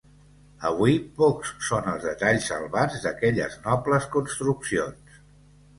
Avui, pocs són els detalls salvats d'aquelles nobles construccions.